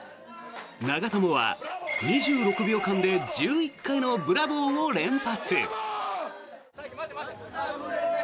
長友は２６秒間で１１回のブラボーを連発。